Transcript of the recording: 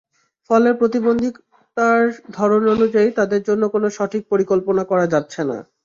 ফলে প্রতিবন্ধিতার ধরন অনুযায়ী তাঁদের জন্য কোনো সঠিক পরিকল্পনা করা যাচ্ছে না।